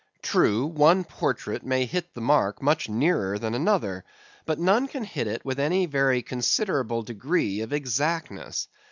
True, one portrait may hit the mark much nearer than another, but none can hit it with any very considerable degree of exactness.